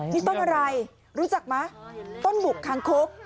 นี่ต้นอะไรรู้จักไหมต้นบุกคางคก